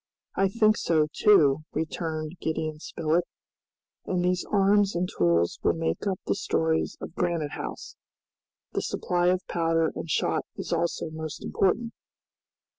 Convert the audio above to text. "I think so, too," returned Gideon Spilett, "and these arms and tools will make up the stores of Granite House. The supply of powder and shot is also most important."